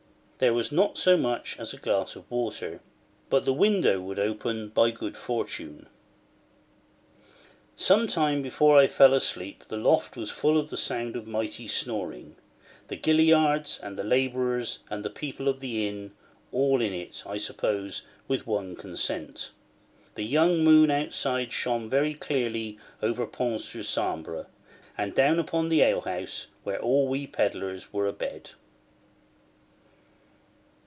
There was not so much as a glass of water. But the window would open, by good fortune. Some time before I fell asleep the loft was full of the sound of mighty snoring: the Gilliards, and the labourers, and the people of the inn, all at it, I suppose, with one consent. The young moon outside shone very clearly over Pont sur Sambre, and down upon the ale house where all we pedlars were abed.